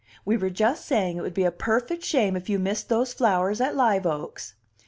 We were lust saying it would be a perfect shame if you missed those flowers at Live Oaks."